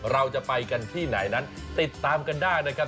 เราจะไปกันที่ไหนนั้นติดตามกันได้นะครับ